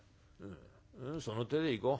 その手でいこう。